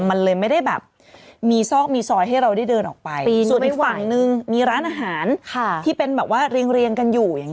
มันเลยไม่ได้แบบมีซอกมีซอยให้เราได้เดินออกไปส่วนอีกฝั่งนึงมีร้านอาหารที่เป็นแบบว่าเรียงกันอยู่อย่างนี้